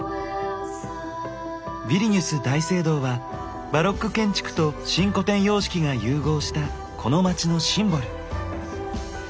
ヴィリニュス大聖堂はバロック建築と新古典様式が融合したこの街のシンボル。